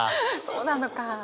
そうなのかあ。